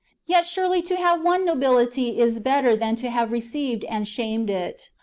Yet surely to have won nobility is better than to have received and shamed it.